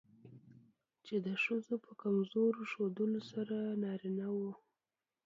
چې د ښځو په کمزور ښودلو سره نارينه وو